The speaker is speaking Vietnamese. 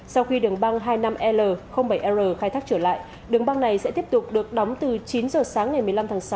sau khi đường băng hai mươi năm l bảy r khai thác trở lại đường băng này sẽ tiếp tục được đóng từ chín giờ sáng ngày một mươi năm tháng sáu